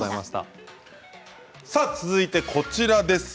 さあ続いてこちらです。